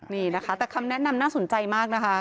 นี่นะคะแต่คำแนะนำน่าสนใจมากนะคะ